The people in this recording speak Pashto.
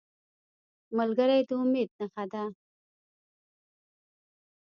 ملګری د امید نښه وي